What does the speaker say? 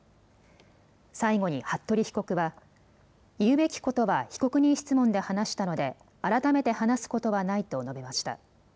最後に服部被告は、言うべきことは被告人質問で話したので、改めて話すことはないと述べました。